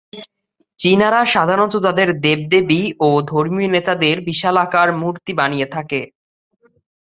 চীনারা সাধারণত তাদের দেবদেবী ও ধর্মীয় নেতাদের বিশালাকার মূর্তি বানিয়ে থাকে।